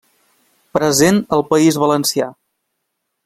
Present al País Valencià.